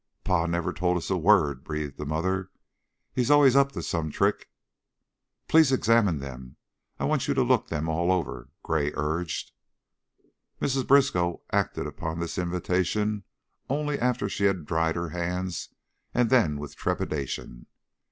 "Pa never told us a word," breathed the mother. "He's allus up to some trick." "Please examine them. I want you to look them all over," Gray urged. Mrs. Briskow acted upon this invitation only after she had dried her hands, and then with trepidation.